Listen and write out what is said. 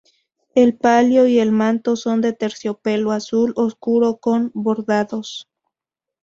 El palio y el manto son de terciopelo azul oscuro con bordados.